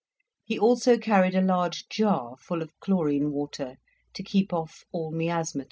He also carried a large jar full of chlorine water, to keep off all miasmata.